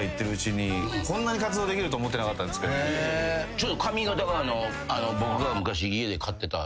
ちょっと髪形が僕が。